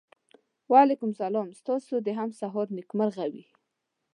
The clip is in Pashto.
وعلیکم سلام ستاسو د هم سهار نېکمرغه وي.